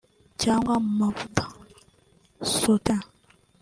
cg mu mavuta (saut ée)